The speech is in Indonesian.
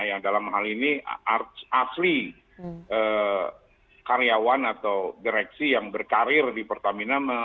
yang dalam hal ini asli karyawan atau direksi yang berkarir di pertamina